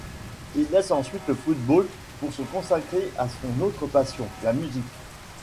Il laisse ensuite le football pour se consacrer à son autre passion, la musique.